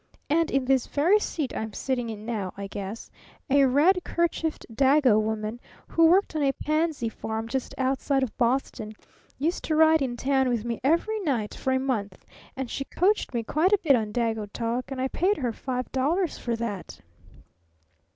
And in this very seat I'm sitting in now, I guess, a red kerchiefed Dago woman, who worked on a pansy farm just outside of Boston, used to ride in town with me every night for a month, and she coached me quite a bit on Dago talk, and I paid her five dollars for that."